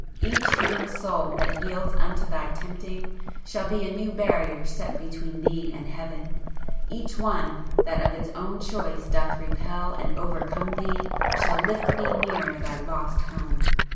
Each human soul that yields unto thy tempting shall be a new barrier set between thee and heaven; each one that of its own choice doth repel and overcome thee, shall lift thee nearer thy lost home!